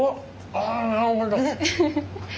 あなるほど。